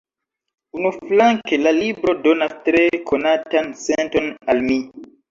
Unuflanke, la libro donas tre konatan senton al mi.